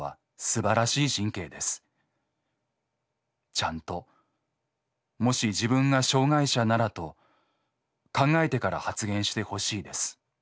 ちゃんともし自分が障害者ならと考えてから発言してほしいです」。